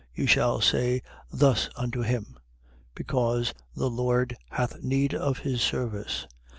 You shall say thus unto him: Because the Lord hath need of his service.